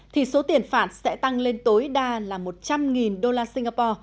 thì số tiền phạt sẽ tăng lên tối đa là một trăm linh usd